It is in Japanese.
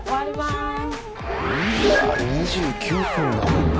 うわ２９分だもんな。